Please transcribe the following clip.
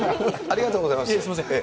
ありがとうございます。